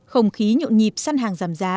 không khí nhộn nhịp săn hàng giảm giá